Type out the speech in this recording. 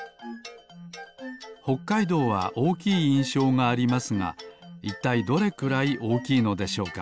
ほっかいどうはおおきいいんしょうがありますがいったいどれくらいおおきいのでしょうか？